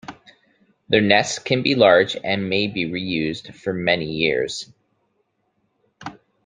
Their nests can be large and may be reused for many years.